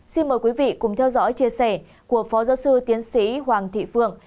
xin mời quý vị cùng theo dõi chia sẻ của phó giáo sư tiến sĩ hoàng thị phượng